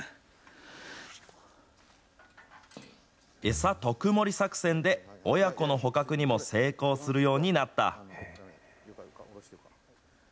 餌特盛り作戦で、親子の捕獲にも成功するようになった。